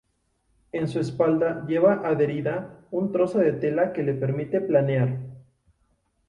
En su espalda lleva adherida un trozo de tela que le permite planear.